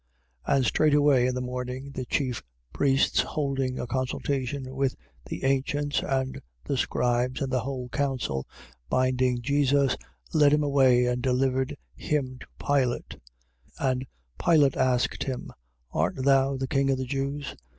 15:1. And straightway in the morning, the chief priests holding a consultation with the ancients and the scribes and the whole council, binding Jesus, led him away and delivered him to Pilate. 15:2. And Pilate asked him: Art thou the king of the Jews?